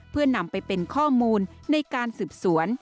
เพื่อนำไปเป็นข้อมูลในการสืบสวน